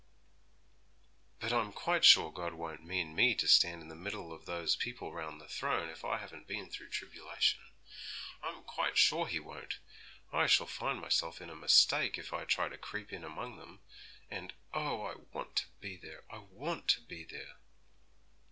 But I'm quite sure God won't mean me to stand in the middle of those people round the throne, if I haven't been through tribulation; I'm quite sure He won't! I shall find myself in a mistake if I try to creep in among them; and, oh! I want to be there, I want to be there!'